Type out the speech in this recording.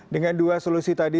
dengan dua solusi tadi